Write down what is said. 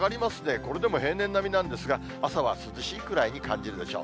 これでも平年並みなんですが、朝は涼しいくらいに感じるでしょう。